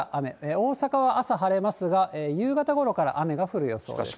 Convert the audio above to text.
大阪は朝晴れますが、夕方ごろから雨が降る予想です。